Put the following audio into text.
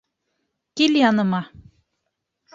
Кил яныма.